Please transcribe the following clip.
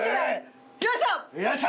う！よいしょ！